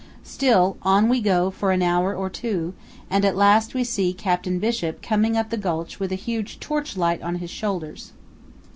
Still, on we go for an hour or two, and at last we see Captain Bishop coming up the gulch with a huge torchlight on his shoulders.